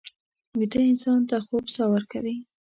ویده انسان ته خوب ساه ورکوي